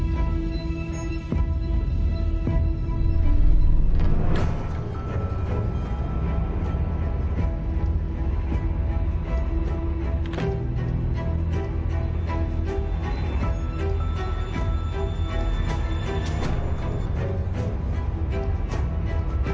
พ่อแม่ต้องกราบเท้าลูกครับ